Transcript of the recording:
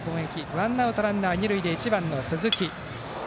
ワンアウトランナー、二塁で１番の鈴木。